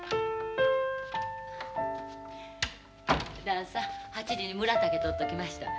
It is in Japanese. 旦さん８時にむら竹取っときました。